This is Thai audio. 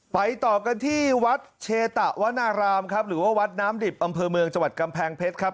ต่อกันที่วัดเชตะวนารามครับหรือว่าวัดน้ำดิบอำเภอเมืองจังหวัดกำแพงเพชรครับ